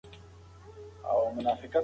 موجي شوک د چاپیریال په جوړښت اغېزه کوي.